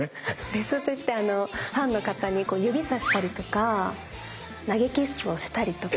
「レス」といってファンの方に指さしたりとか投げキッスをしたりとか。